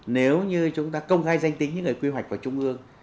nếu như chúng ta công khai danh tính những người quy hoạch của trung ương